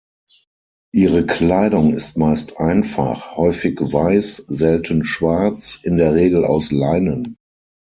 Ihre Kleidung ist meist einfach, häufig weiß, selten schwarz, in der Regel aus Leinen.